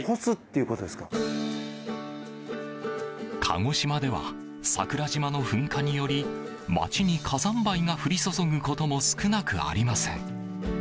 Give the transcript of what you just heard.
鹿児島では桜島の噴火により街に火山灰が降り注ぐことも少なくありません。